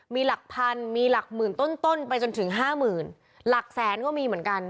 มีหลักพันมีหลักหมื่นต้นไปจนถึงห้าหมื่นหลักแสนก็มีเหมือนกัน